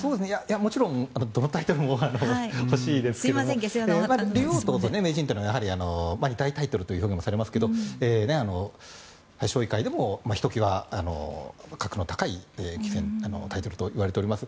もちろんどのタイトルも欲しいですけど竜王と名人というのは二大タイトルとされますけど将棋界でもひときわ格の高いタイトルといわれております。